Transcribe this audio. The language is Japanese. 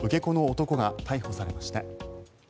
男が逮捕されました。